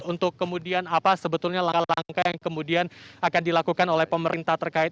untuk kemudian apa sebetulnya langkah langkah yang kemudian akan dilakukan oleh pemerintah terkait